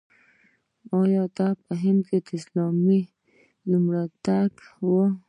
دا په هند کې د اسلام لومړی راتګ و.